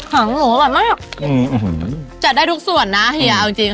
ของหนูอร่อยมากจัดได้ทุกส่วนนะเฮียเอาจริงจริง